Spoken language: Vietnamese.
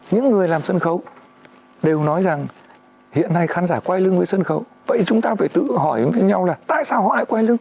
những người làm sân khấu đều nói rằng hiện nay khán giả quay lưng với sân khấu vậy chúng ta phải tự hỏi với nhau là tại sao họ lại quay lưng